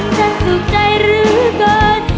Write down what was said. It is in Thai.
ฉันสุขใจหรือเกิน